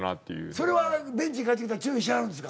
それはベンチに帰ってきたら注意しはるんですか？